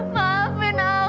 maafkan aku pak